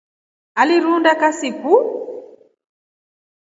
Alirunda kasi ku?